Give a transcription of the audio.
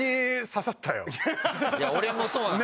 いや俺もそうなの。